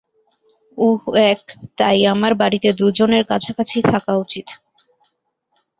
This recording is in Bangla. উহ, এক, তাই আমার বাড়িতে দুজনের কাছাকাছি থাকা উচিত।